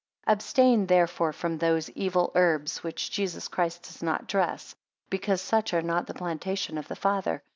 7 Abstain therefore from those evil herbs which Jesus Christ does not dress: because such are not the plantation of the Father.